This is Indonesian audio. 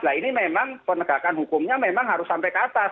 nah ini memang penegakan hukumnya memang harus sampai ke atas